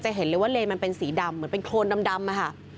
เห็นเลยว่าเลนมันเป็นสีดำเหมือนเป็นโครนดำอะค่ะ